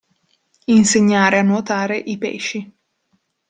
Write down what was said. Insegnare a nuotare i pesci.